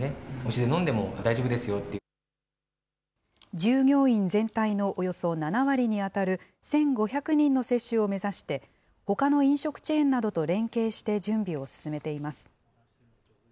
従業員全体のおよそ７割に当たる１５００人の接種を目指して、ほかの飲食チェーンなどと連携して準備を進めています。